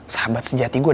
sahabat sejati gue dah